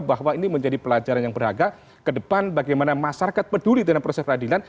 bahwa ini menjadi pelajaran yang berharga ke depan bagaimana masyarakat peduli dengan proses peradilan